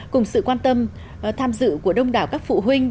cùng sự quan tâm tham dự của đông đảo các phụ huynh